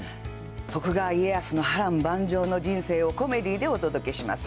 徳川家康の波乱万丈な人生をコメディーでお届けします。